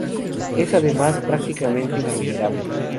Es además prácticamente invulnerable.